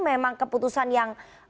memang keputusan yang